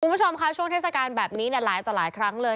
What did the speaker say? คุณผู้ชมค่ะช่วงเทศกาลแบบนี้หลายต่อหลายครั้งเลย